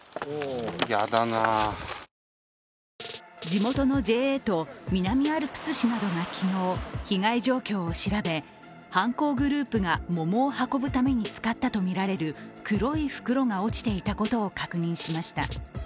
地元のＪＡと南アルプス市などが昨日、被害状況を調べ、犯行グループが桃を運ぶために使ったとみられる黒い袋が落ちていたことを確認しました。